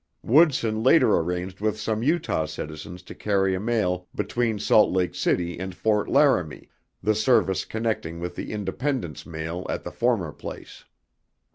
Woodson later arranged with some Utah citizens to carry a mail between Salt Lake City and Fort Laramie, the service connecting with the Independence mail at the former place.